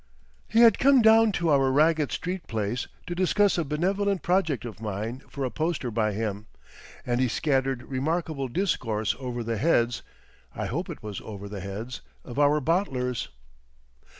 He had come down to our Raggett Street place to discuss a benevolent project of mine for a poster by him, and he scattered remarkable discourse over the heads (I hope it was over the heads) of our bottlers.